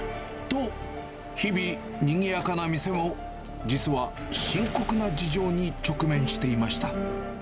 と、日々、にぎやかな店も、実は深刻な事情に直面していました。